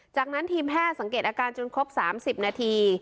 จากนั้นทีมแพทย์สังเกตอาการจนครบ๓๐นาที